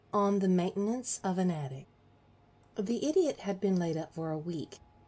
V ON THE MAINTENANCE OF AN ATTIC The Idiot had been laid up for a week.